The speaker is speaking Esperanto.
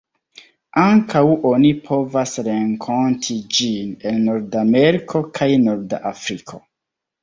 Ankaŭ oni povas renkonti ĝin en Nordameriko kaj norda Afriko.